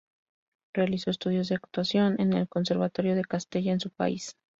Realizó estudios de actuación en el Conservatorio de Castella en su país.